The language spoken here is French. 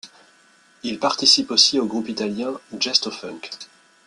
Il participe aussi au groupe italien Jestofunk.